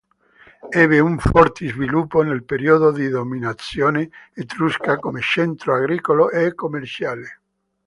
Ebbe un forte sviluppo nel periodo di dominazione etrusca, come centro agricolo e commerciale.